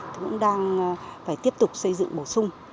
cũng đang phải tiếp tục xây dựng bổ sung